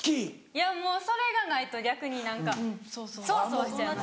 いやもうそれがないと逆に何かそわそわしちゃいます。